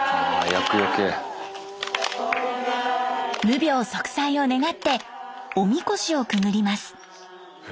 無病息災を願っておみこしをくぐります。